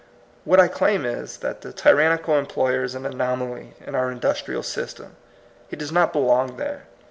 What I claim is, that the tyrannical em ployer is an anomaly in our industrial system. He does not belong there.